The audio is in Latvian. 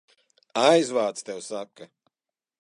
Aizvāc, tev saka!